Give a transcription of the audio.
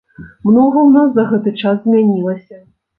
Многа ў нас за гэты час змянілася.